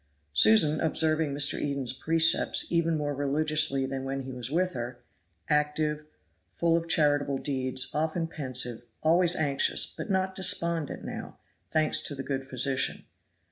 Susan observing Mr. Eden's precepts even more religiously than when he was with her; active, full of charitable deeds, often pensive, always anxious, but not despondent now, thanks to the good physician.